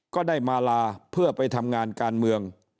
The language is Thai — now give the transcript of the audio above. ก็ได้มาลาเพื่อไปทำงานการเมือง